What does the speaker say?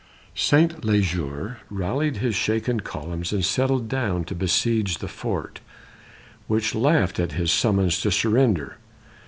Saint Leger rallied his shaken columns and settled down to besiege the fort, which laughed at his summons to surrender.